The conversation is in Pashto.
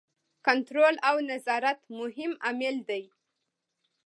کنټرول او نظارت مهم عامل دی.